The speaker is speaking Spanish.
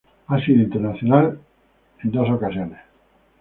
Ha sido internacional con la en dos ocasiones.